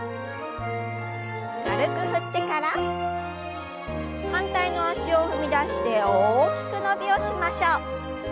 軽く振ってから反対の脚を踏み出して大きく伸びをしましょう。